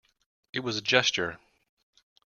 It was a gesture.